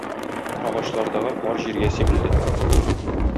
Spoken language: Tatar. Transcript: Агачлардагы кар җиргә сибелде.